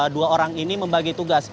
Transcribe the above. dua orang ini membagi tugas